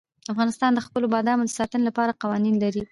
افغانستان د خپلو بادامو د ساتنې لپاره قوانین لري.